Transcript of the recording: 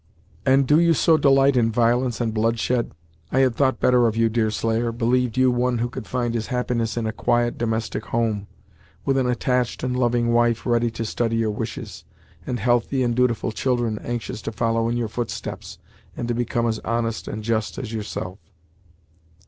"And do you so delight in violence and bloodshed? I had thought better of you, Deerslayer believed you one who could find his happiness in a quiet domestic home, with an attached and loving wife ready to study your wishes, and healthy and dutiful children anxious to follow in your footsteps, and to become as honest and just as yourself."